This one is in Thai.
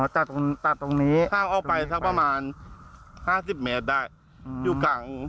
อ๋อจากตรงจากตรงนี้ข้างออกไปสักประมาณห้าสิบเมตรได้อยู่กลาง